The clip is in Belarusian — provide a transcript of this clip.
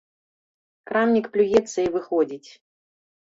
Крамнік плюецца і выходзіць.